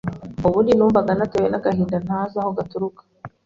ubundi numvaga natewe n’agahinda ntazi aho gaturuka.